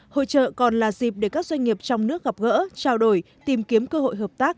hội trợ còn là dịp để các doanh nghiệp trong nước gặp gỡ trao đổi tìm kiếm cơ hội hợp tác